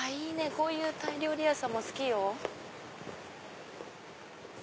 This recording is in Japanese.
こういうタイ料理屋さんも好きよ。